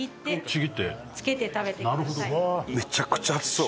伊達：めちゃくちゃ熱そう。